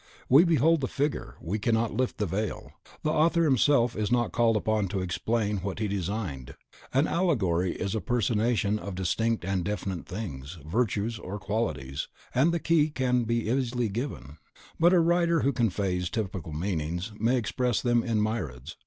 We behold the figure, we cannot lift the veil. The author himself is not called upon to explain what he designed. An allegory is a personation of distinct and definite things, virtues or qualities, and the key can be given easily; but a writer who conveys typical meanings, may express them in myriads.